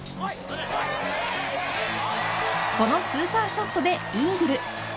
このスーパーショットでイーグル。